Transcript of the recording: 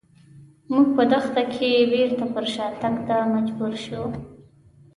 موږ په دښته کې بېرته پر شاتګ ته مجبور شوو.